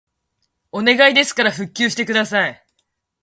お願いですから復旧してください